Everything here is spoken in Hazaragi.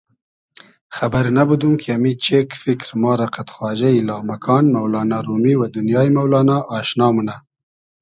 خئبئر نئبودوم کی امی چېگ فیکر ما رۂ قئد خواجۂ یی لامکان مۆلانا رومیؒ و دونیایی مۆلانا آشنا مونۂ